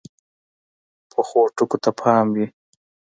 پخو ټکو ته پام وي